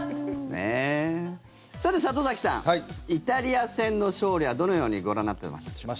さて、里崎さんイタリア戦の勝利はどのようにご覧になってましたでしょうか。